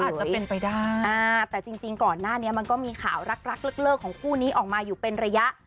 อาจจะเป็นไปได้แต่จริงก่อนหน้านี้มันก็มีข่าวรักรักเลิกของคู่นี้ออกมาอยู่เป็นระยะ